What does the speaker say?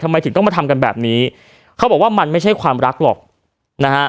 ทำไมถึงต้องมาทำกันแบบนี้เขาบอกว่ามันไม่ใช่ความรักหรอกนะฮะ